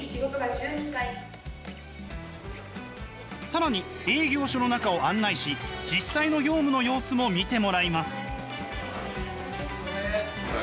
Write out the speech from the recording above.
更に営業所の中を案内し実際の業務の様子も見てもらいます。